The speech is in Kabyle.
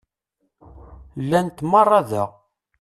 Llant meṛṛa da.